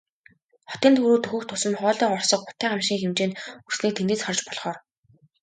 Хотын төв рүү дөхөх тусам хоолой хорсгох утаа гамшгийн хэмжээнд хүрснийг тэндээс харж болохоор.